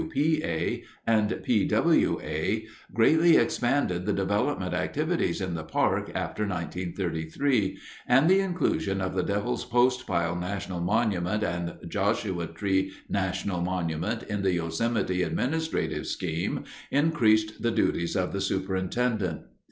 C.W.A., W.P.A., and P.W.A., greatly expanded the developmental activities in the park after 1933, and the inclusion of the Devils Postpile National Monument and Joshua Tree National Monument in the Yosemite administrative scheme increased the duties of the superintendent.